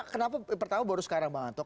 kenapa pertama baru sekarang bang antok